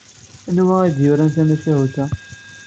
Anwa ay d-yuran tamacahut-a?